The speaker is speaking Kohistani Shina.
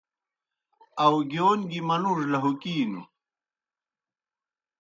آؤگِیون گیْ منُوڙوْ لہُوکِینوْ۔